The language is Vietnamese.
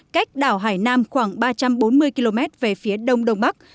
cách đảo hải nam khoảng ba trăm bốn mươi km về phía đông đông bắc